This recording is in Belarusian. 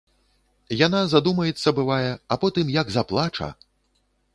Яна задумаецца, бывае, а потым як заплача!